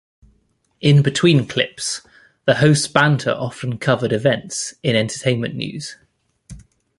In between clips, the hosts' banter often covered events in entertainment news.